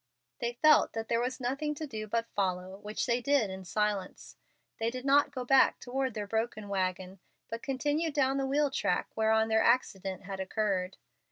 They felt that there was nothing to do but follow, which they did in silence. They did not go back toward their broken wagon, but continued down the wheel track whereon their accident had occurred.